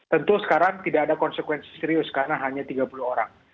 tentu sekarang tidak ada konsekuensi serius karena hanya tiga puluh orang